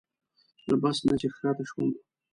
له بس نه چې ښکته شوم.